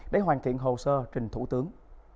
để hoàn thiện hồ sơ trình thủ tướng